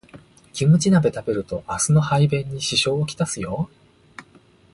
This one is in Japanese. キムチ鍋食べると明日の排便に支障をきたすよ